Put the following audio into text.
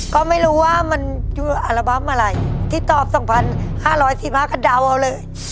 ก็ไม่รู้ว่ามันอัลบั้มอะไรที่ตอบสองพันห้าร้อยสิบห้ากันเดาเอาเลย